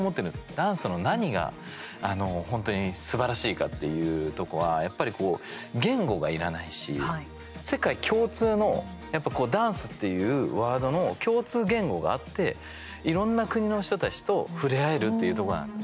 ダンスの何が本当にすばらしいかっていうところは言語がいらないし、世界共通のダンスっていうワードの共通言語があっていろんな国の人たちと触れ合えるっていうところなんです。